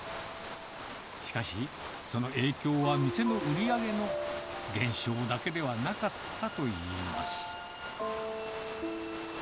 しかし、その影響は店の売り上げの減少だけではなかったといいます。